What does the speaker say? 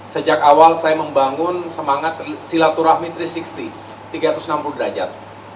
sejak awal saya membangun semangat silaturahmi tiga ratus enam puluh tiga ratus enam puluh derajat